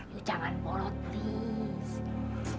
lu jangan bolot please